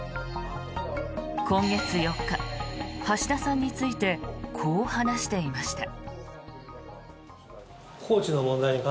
今月４日、橋田さんについてこう話していました。